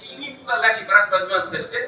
ini bukan lagi beras bantuan presiden